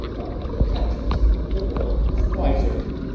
O' my conscience! the world is wiser.